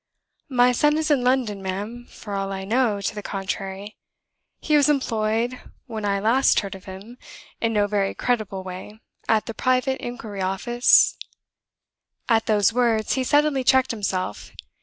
"My son is in London, ma'am, for all I know to the contrary. He was employed, when I last heard of him, in no very creditable way, at the Private Inquiry Office " At those words he suddenly checked himself.